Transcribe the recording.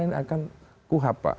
ini akan kuhap pak